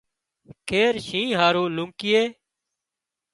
خير شينهن هارو لونڪيئي